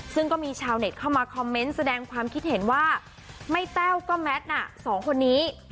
ซึ่งก็มีชาวเน็ตเข้ามาคอมเมนต์แสดงความคิดเห็นว่าไม่แต้วก็แมทน่ะสองคนนี้